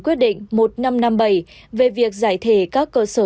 quyết định một nghìn năm trăm năm mươi bảy về việc giải thể các cơ sở thu dung